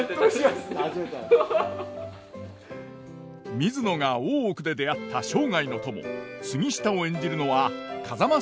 水野が大奥で出会った生涯の友杉下を演じるのは風間俊介さん。